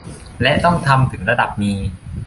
และต้องทำถึงระดับมี